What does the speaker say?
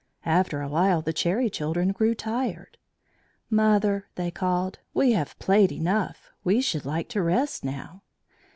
After a while the Cherry Children grew tired. "Mother," they called, "we have played enough. We should like to rest now."